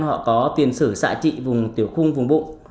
họ có tiền sử xạ trị vùng tiểu khung vùng bụng